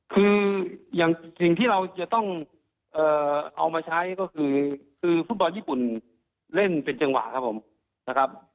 คืออย่างสิ่งที่เราจะต้องเอามาใช้ก็คือฟุตบอลญี่ปุ่นเล่นเป็นจังหวะครับผมนะครับ